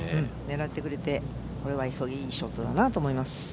狙ってくれていいショットだなと思います。